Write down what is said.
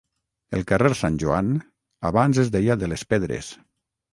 El carrer Sant Joan abans es deia de les Pedres.